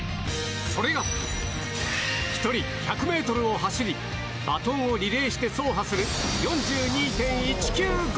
それが、１人１００メートルを走り、バトンをリレーして走破する４２．１９５